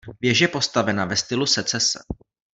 Věž je postavena ve stylu secese.